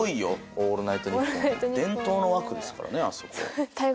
『オールナイトニッポン』伝統の枠ですからねあそこは。